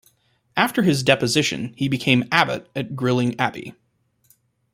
After his deposition, he became abbot at Gilling Abbey.